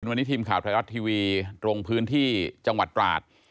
วันนี้ทีมข่าวไทยรัฐทีวีลงพื้นที่จังหวัดตราด